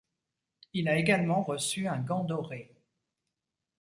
Il a également reçu un gant doré.